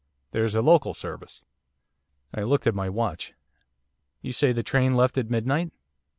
There's a local service.' I looked at my watch. 'You say the train left at midnight.